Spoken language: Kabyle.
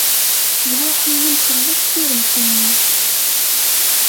Lwaḥi i nxelleṣ tiremt-nni.